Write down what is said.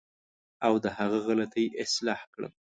او د هغه غلطۍ اصلاح کړم.